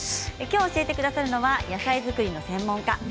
きょう教えてくださるのは野菜作りの専門家